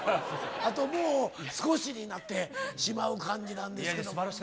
あともう少しになってしまう感じなんですけども。